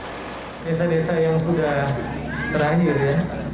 di desa desa yang sudah terakhir ya